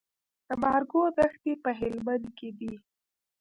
د مارګو دښتې په هلمند کې دي